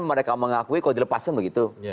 mereka mengakui kalau dilepaskan begitu